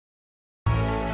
panti asuhan mutiara bunda